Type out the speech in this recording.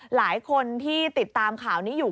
หลายคนที่ติดตามข่าวนี้อยู่